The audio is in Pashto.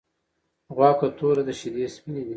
غوا که توره ده شيدې یی سپيني دی .